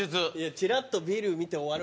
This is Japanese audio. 「チラッとビル見て終わる」。